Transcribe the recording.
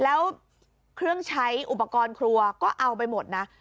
แล้วเครื่องใช้อุปกรณ์ครัวก็เอาไปหมดนะ